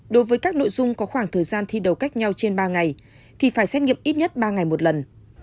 đối với các nội dung có khoảng thời gian thi đầu cách nhau trên ba ngày thì phải xét nghiệm ít nhất ba ngày một lần